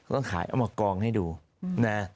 ก็ขายเอามากองให้ดูนะ